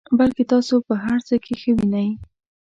بلکې تاسو په هر څه کې ښه وینئ.